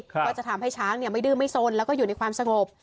ค่ะก็จะทำให้ช้างเนี้ยไม่ดืมไม่โซนแล้วก็อยู่ในความสงบ